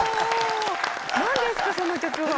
何ですかその曲は⁉